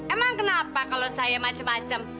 emang kenapa kalau saya macam macam